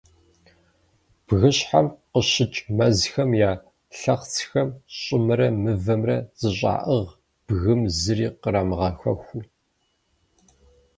Бгыщхьэм къыщыкӏ мэзхэм я лъэхъыцхэм щӏымрэ мывэмрэ зэщӏаӏыгъэ бгым зыри кърамыгъэхуэхыу.